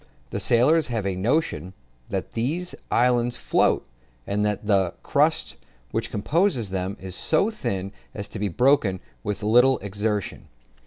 The sailors have a notion that these islands float, and that the crust which composes them is so thin as to be broken with little exertion.